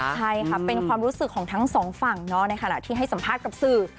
ใช่ค่ะเป็นความรู้สึกของทั้งสองฝั่งในขณะที่ให้สัมภาษณ์กับสื่อ